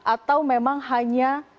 atau memang hanya